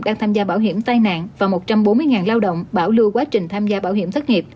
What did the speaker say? đang tham gia bảo hiểm tai nạn và một trăm bốn mươi lao động bảo lưu quá trình tham gia bảo hiểm thất nghiệp